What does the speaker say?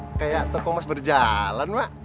mak kayak toko mas berjalan mak